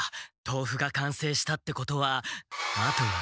豆腐がかんせいしたってことはあとは。